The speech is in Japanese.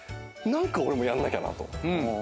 何か俺もやんなきゃなと。